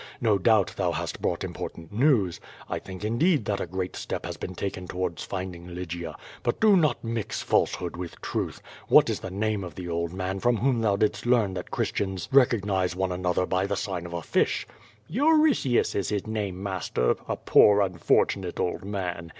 No doubt thou hast brought important news. I think indeed that a great step has been taken towards finding Lygia; but do not mix falsehood with truth. What is the name of the old man from whom thou didst learn that Christians recognize one another by the sign of a fish?" "Euritius is his name, master, a poor unfortunate old man.